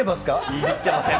いじってません。